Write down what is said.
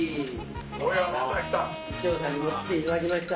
衣装さんに持ってきていただきました。